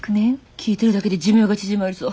聞いてるだけで寿命が縮まりそう。